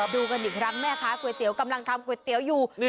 ดูกันอีกครั้งแม่ค้าก๋วยเตี๋ยวกำลังทำก๋วยเตี๋ยวอยู่